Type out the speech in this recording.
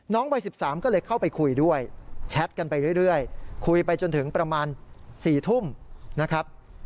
วัย๑๓ก็เลยเข้าไปคุยด้วยแชทกันไปเรื่อยคุยไปจนถึงประมาณ๔ทุ่มนะครับ